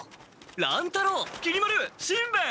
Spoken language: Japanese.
乱太郎きり丸しんべヱ。